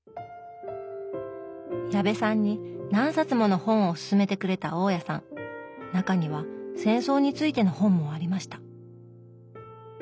矢部さんに何冊もの本をすすめてくれた大家さん中には戦争についての本もありました。